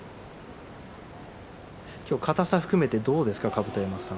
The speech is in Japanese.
今日は硬さを含めてどうですか？